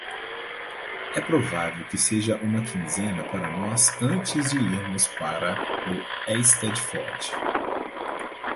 É provável que seja uma quinzena para nós antes de irmos para o Eisteddfod.